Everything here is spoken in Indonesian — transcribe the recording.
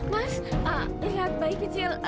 mas lihat bayi kecil